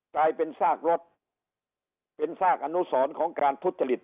กลายเป็นซากรถเป็นซากอนุสรของการทุจริต